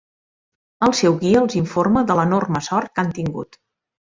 El seu guia els informa de l'enorme sort que han tingut.